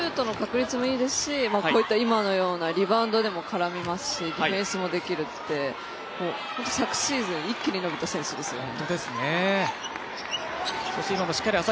こういった今のようなリバウンドでも絡みますしディフェンスもできるって本当に昨シーズン、一気に伸びた選手ですよね。